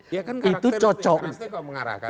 iya kan karakteristik itu yang harus diarahkan